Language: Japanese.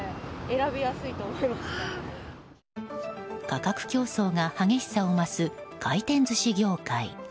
価格競争が激しさを増す回転寿司業界。